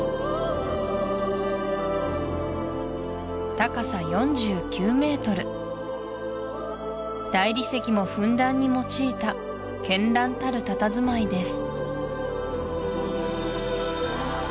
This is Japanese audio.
高さ４９ｍ大理石もふんだんに用いた絢爛たるたたずまいです